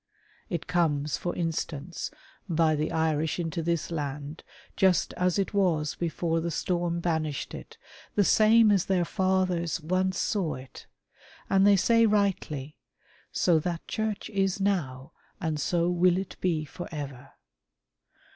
It comes, for instance, by the Irish into this land, just as it was before the storm banished it, the same as their fathers once saw it. And they say rightly, " so that Church is now and so will it be for ever."